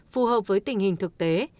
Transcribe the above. phù hợp với tình hình thực tế